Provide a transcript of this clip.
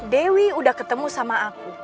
dewi udah ketemu sama aku